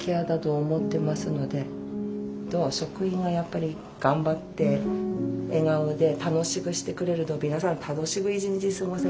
あとは職員がやっぱり頑張って笑顔で楽しくしてくれると皆さん楽しく一日過ごせるんですよね。